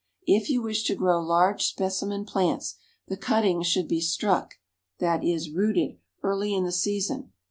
If you wish to grow large specimen plants the cuttings should be struck (that is rooted), early in the season.